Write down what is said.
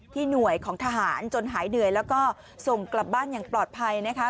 หน่วยของทหารจนหายเหนื่อยแล้วก็ส่งกลับบ้านอย่างปลอดภัยนะคะ